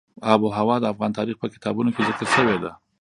آب وهوا د افغان تاریخ په کتابونو کې ذکر شوې ده.